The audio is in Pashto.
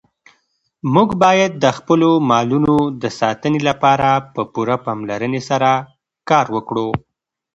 موږ باید د خپلو مالونو د ساتنې لپاره په پوره پاملرنې سره کار وکړو.